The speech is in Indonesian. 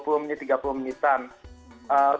kebanyakan warga muslim di sini itu